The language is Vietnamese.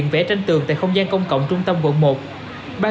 vẽ tranh tường tại không gian công cộng trung tâm quận một